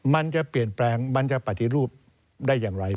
มันจะเปลี่ยนแปลงมันจะปฏิรูปได้อย่างไร